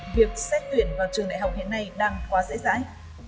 việc xét tuyển vào trường đại học hiện nay đang quá dễ dãi